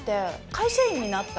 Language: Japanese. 会社員になった？